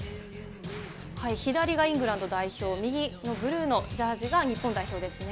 左がイングランド代表、右のブルーのジャージが日本代表ですね。